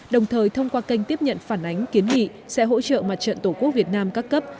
đồng thời thông qua kênh tiếp nhận phản ánh kiến nghị sẽ hỗ trợ mặt trận tổ quốc việt nam các cấp